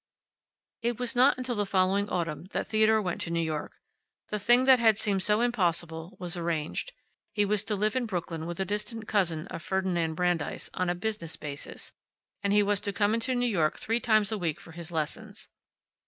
It was not until the following autumn that Theodore went to New York. The thing that had seemed so impossible was arranged. He was to live in Brooklyn with a distant cousin of Ferdinand Brandeis, on a business basis, and he was to come into New York three times a week for his lessons.